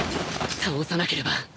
倒さなければ